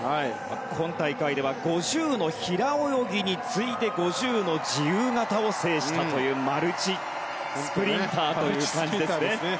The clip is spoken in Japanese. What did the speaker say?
今大会、５０の平泳ぎに次いで５０の自由形を制したというマルチスプリンターという感じですね。